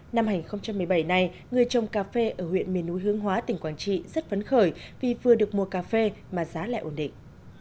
năm hai nghìn một mươi bảy này người trồng cà phê ở huyện miền núi hương hóa tỉnh quảng trị rất phấn khởi vì vừa được mua cà phê mà giá lại ổn định